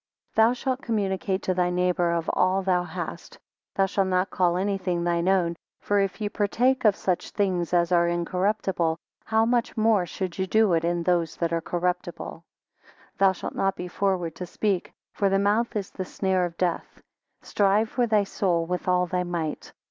16 Thou shalt communicate to thy neighbour of all thou hast; thou shalt not call anything thine own: for if ye partake of such things as are incorruptible, how much more should you do it in those that are corruptible? 17 Thou shalt not be forward to speak; for the mouth is the snare of death. Strive for thy soul with all thy might.